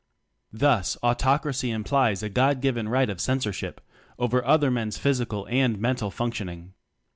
Thus Autocracy implies a "God given" right of censorship over other men's physical and mental function ing.